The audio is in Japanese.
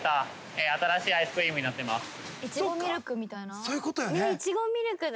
そういうことよね。